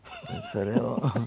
それを。